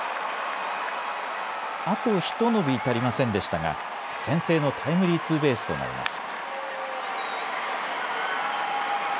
あとひと伸び足りませんでしたが先制のタイムリーツーベースとなります。